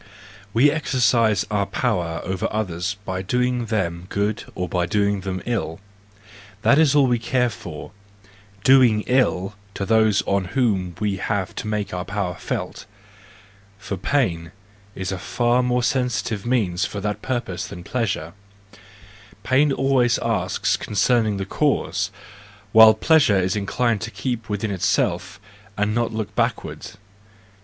—We exercise our power over others by doing them good or by doing them ill—that is all we care for! Doing ill to those on whom we have to make our power felt; for pain is a far more sensitive means for that purpose than pleasure:—pain always asks concerning the cause, while pleasure is inclined to keep within itself and not look backward.